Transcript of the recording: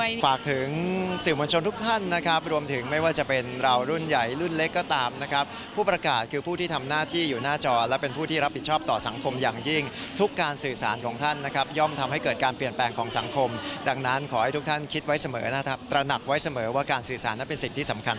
อย่างยิ่งทุกการสื่อสารของท่านนะคะ